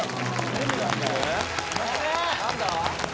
何だ？